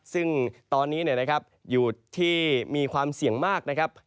ซึ่งตอนนี้อยู่ที่มีความเสี่ยงมาก